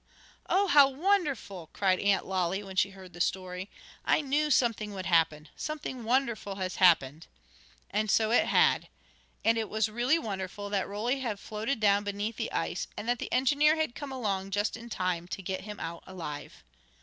"Oh, how wonderful!" cried Aunt Lolly when she heard the story. "I knew something would happen. Something wonderful has happened." And so it had. And it was really wonderful that Roly had floated down beneath the ice, and that the engineer had come along just in time to get him out alive.